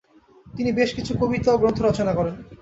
তিনি বেশ কিছু কবিতা ও গ্রন্থ রচনা করেন।